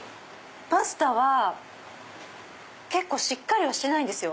パスタは結構しっかりはしてないんですよ。